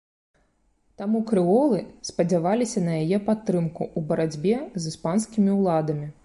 Таму крэолы спадзяваліся на яе падтрымку ў барацьбе з іспанскімі ўладамі.